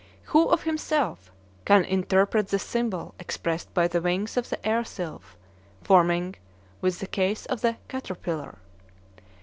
"Who, of himself, can interpret the symbol expressed by the wings of the air sylph forming within the case of the caterpillar?